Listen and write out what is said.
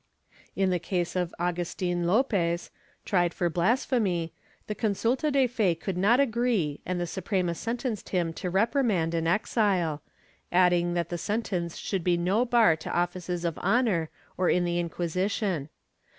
In the case of Agustin Lopez, tried for blasphemy, the consulta de fe could not agree and the Suprema sentenced him to repri mand and exile, adding that the sentence should be no bar to offices of honor or in the Inquisition.